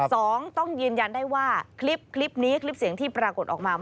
สองต้องยืนยันได้ว่าคลิปนี้คลิปเสียงที่ปรากฏออกมา